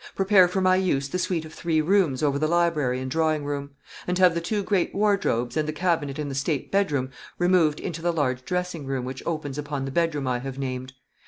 Prepare for my use the suite of three rooms over the library and drawing room; and have the two great wardrobes, and the cabinet in the state bedroom, removed into the large dressing room which opens upon the bedroom I have named.